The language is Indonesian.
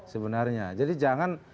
sebenarnya jadi jangan